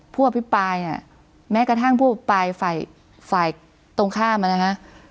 ผู้อภิปรายเนี่ยแม้กระทั่งผู้อภิปรายฝ่ายตรงข้ามอ่ะนะคะ